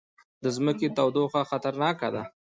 د ځمکې تودوخه خطرناکه ده